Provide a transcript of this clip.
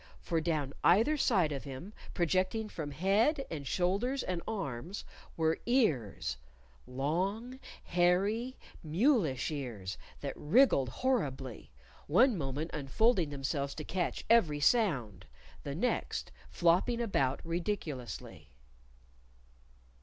For down either side of him, projecting from head and shoulders and arms, were ears long, hairy, mulish ears, that wriggled horribly, one moment unfolding themselves to catch every sound, the next flopping about ridiculously.